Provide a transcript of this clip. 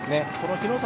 日の里